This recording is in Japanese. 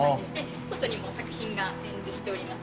外にも作品が展示しております。